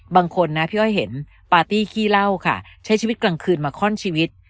บางคนนะพี่อ้อยเห็นปาร์ตี้ขี้เหล้าค่ะใช้ชีวิตกลางคืนมาคล่อนชีวิต